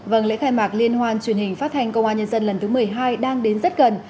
vâng lễ khai mạc liên hoan truyền hình phát thanh công an nhân dân lần thứ một mươi hai đang đến rất gần